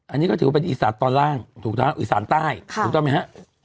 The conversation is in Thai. อันนี้ก็ถือว่าเป็นอีสานตอนล่างถูกทางอีสานใต้ถูกต้องไหมฮะ